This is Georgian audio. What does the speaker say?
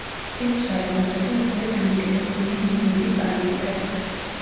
ეს ცვალებადობა ასევე დამოკიდებულია ინდივიდის პარამეტრებზე.